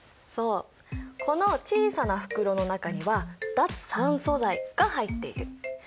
そうこの小さな袋の中には脱酸素剤が入っている。